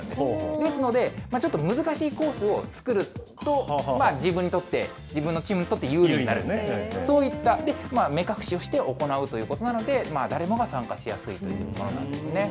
ですので、ちょっと難しいコースを作ると、自分にとって、自分のチームにとって有利になる、そういった、目隠しをして行うということなので、誰もが参加しやすいというものなんですね。